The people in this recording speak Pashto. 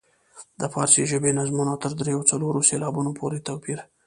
د فارسي ژبې نظمونو تر دریو او څلورو سېلابونو پورې توپیر.